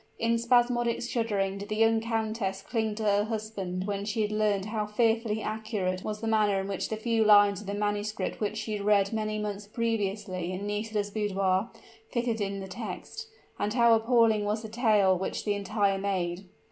In spasmodic shuddering did the young countess cling to her husband when she had learned how fearfully accurate was the manner in which the few lines of the manuscript which she had read many months previously in Nisida's boudoir, fitted in the text, and how appalling was the tale which the entire made.